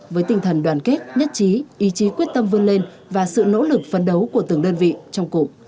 với tinh thần đoàn kết nhất trí ý chí quyết tâm vươn lên và sự nỗ lực phấn đấu của từng đơn vị trong cụm